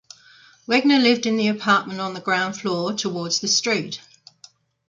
Wegner lived in the apartment on the ground floor towards the street.